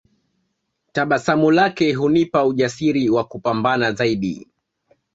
Tabasamu lake hunipa ujasiri wa kupambana zaidi